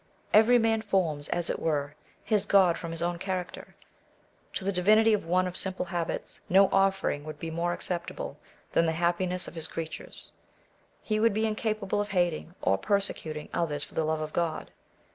Every man forms, as it were, his god from his own character; to the divinity of one of simple habits, no offering wouM be more acceptable than the happiness of his creatures. He would be incapable of hating or persecuting others for the love of God.